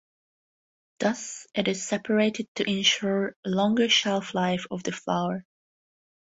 Thus, it is separated to ensure longer shelf life of the flour.